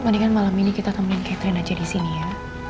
mendingan malam ini kita temenin catherine aja disini ya